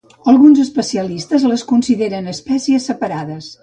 Alguns especialistes les consideren espècies separades.